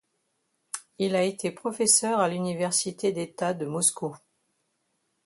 Il a été professeur à l'université d'État de Moscou.